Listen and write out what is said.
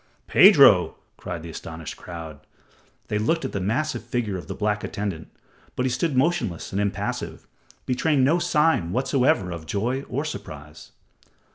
"Pedro!" cried the astonished crowd. They looked at the massive figure of the black attendant, but he stood motionless and impassive, betraying no sign whatsoever of joy or surprise.